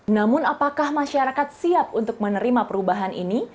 namun apakah masyarakat siap untuk menerima perubahan ini